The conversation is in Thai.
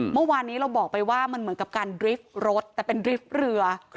เมื่อวานนี้เราบอกไปว่ามันเหมือนกับการดริฟท์รถแต่เป็นดริฟท์เรือ